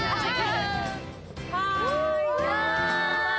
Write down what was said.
はい。